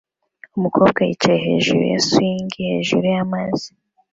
Umukobwa yicaye hejuru ya swing hejuru yamazi